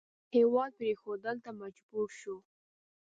هېواد پرېښودلو ته مجبور شو.